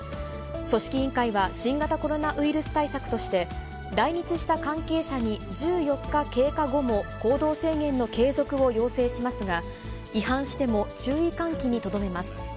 組織委員会は、新型コロナウイルス対策として、来日した関係者に１４日経過後も行動制限の継続を要請しますが、違反しても注意喚起にとどめます。